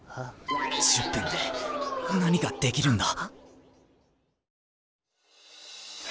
１０分で何ができるんだ。